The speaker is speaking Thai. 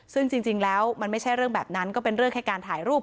ซึ่งจริงแล้วมันไม่ใช่เรื่องแบบนั้นก็เป็นเรื่องแค่การถ่ายรูป